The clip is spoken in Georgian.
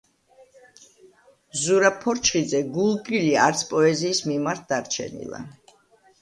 ზურაბ ფორჩხიძე, გულგრილი არც პოეზიის მიმართ დარჩენილა.